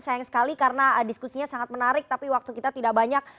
sayang sekali karena diskusinya sangat menarik tapi waktu kita tidak banyak